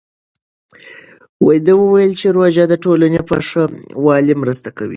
ده وویل چې روژه د ټولنې په ښه والي مرسته کوي.